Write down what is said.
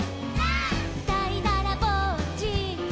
「」「だいだらぼっち」「」